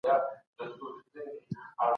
سفیرانو د هیوادونو ترمنځ اړیکي پیاوړي کولې.